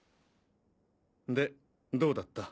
でどうだった？